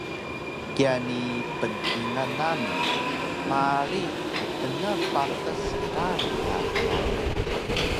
Kiya ni pngkingal nami marig mtna patas kari ka yami